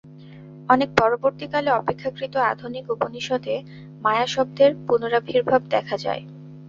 অনেক পরবর্তী কালে অপেক্ষাকৃত আধুনিক উপনিষদে মায়া-শব্দের পুনরাবির্ভাব দেখা যায়।